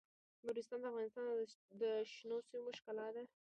نورستان د افغانستان د شنو سیمو ښکلا ده.